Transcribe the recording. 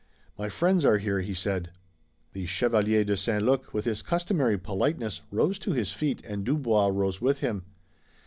"My friends are here," he said. The Chevalier de St. Luc, with his customary politeness, rose to his feet and Dubois rose with him.